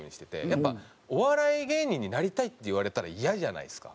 やっぱりお笑い芸人になりたいって言われたらイヤじゃないですか。